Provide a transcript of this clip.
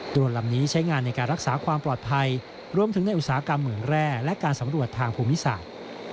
ลำนี้ใช้งานในการรักษาความปลอดภัยรวมถึงในอุตสาหกรรมเหมืองแร่และการสำรวจทางภูมิศาสตร์